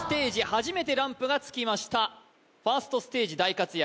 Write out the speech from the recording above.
初めてランプがつきましたファーストステージ大活躍